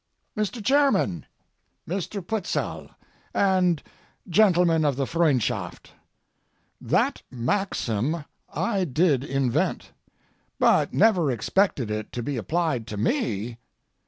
MR. CHAIRMAN, Mr. PUTZEL, AND GENTLEMEN OF THE FREUNDSCHAFT,—That maxim I did invent, but never expected it to be applied to me.